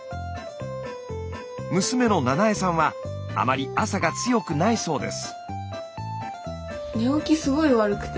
娘の菜奈恵さんはあまり朝が強くないそうです。